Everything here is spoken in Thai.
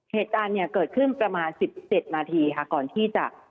เหตุการณ์เนี่ยเกิดขึ้นประมาณ๑๗นาทีค่ะก่อนที่จะ